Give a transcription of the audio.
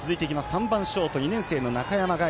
３番ショート、２年生の中山凱。